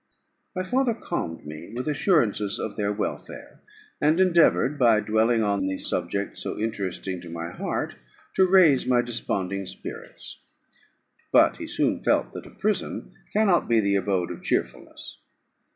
My father calmed me with assurances of their welfare, and endeavoured, by dwelling on these subjects so interesting to my heart, to raise my desponding spirits; but he soon felt that a prison cannot be the abode of cheerfulness.